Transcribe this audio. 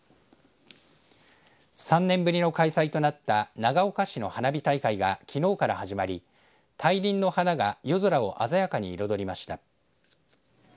３年ぶりの開催となった長岡市の花火大会がきのうから始まり大輪の花が夜空を鮮やかに彩りました。